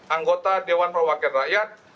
anggota dewan perwakilan rakyat